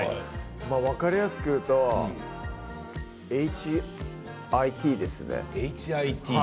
分かりやすく言うとＨＩＴですね。